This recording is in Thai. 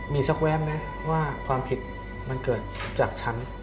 มีสักแวบไหมว่าความผิดมันเกิดจากฉัน